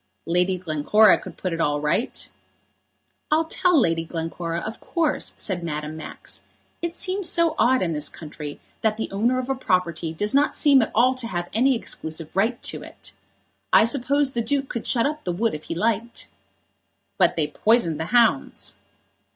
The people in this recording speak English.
"Lady Glencora could put it all right." "I'll tell Lady Glencora, of course," said Madame Max. "It seems so odd in this country that the owner of a property does not seem at all to have any exclusive right to it. I suppose the Duke could shut up the wood if he liked." "But they poisoned the hounds."